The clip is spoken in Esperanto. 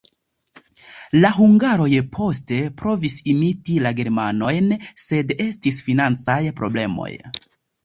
La hungaroj poste provis imiti la germanojn, sed estis financaj problemoj.